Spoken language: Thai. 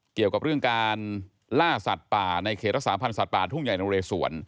เกี่ยวกับเรื่องการล่าสัตว์ป่าในเขตสามารถสัตว์ป่าทุ่งใหญ่ในโรงเรศวร